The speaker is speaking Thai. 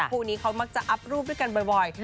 คู่นี้เขามักจะอัพรูปด้วยกันบ่อย